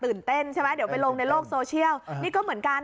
ตื่นเต้นใช่ไหมเดี๋ยวไปลงในโลกโซเชียล